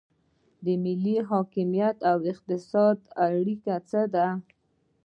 د ملي حاکمیت او اقتصاد اړیکه څه ده؟